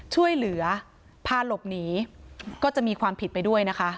ช่วยเหลือพาหลบหนีก็จะมีความผิดไปด้วยนะคะ